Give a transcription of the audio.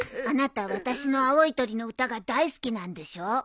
あなた『わたしの青い鳥』の歌が大好きなんでしょ？